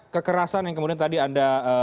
kekerasan yang kemudian tadi anda